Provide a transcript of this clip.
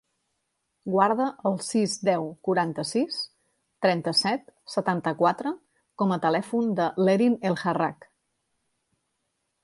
Guarda el sis, deu, quaranta-sis, trenta-set, setanta-quatre com a telèfon de l'Erin El Harrak.